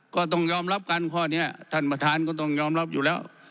ก็ต้องยอมรับกันข้อนี้ท่านประธานก็ต้องยอมรับอยู่แล้ว